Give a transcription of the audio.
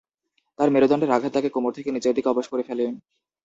তার মেরুদণ্ডের আঘাত তাকে কোমর থেকে নিচের দিকে অবশ করে ফেলে।